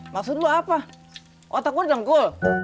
maksud lu apa otak gua di dengkul